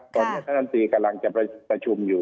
ตอนนี้ท่านลำตีกำลังจะประชุมอยู่